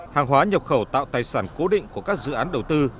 hàng hóa nhập khẩu tạo tài sản cố định của các dự án đầu tư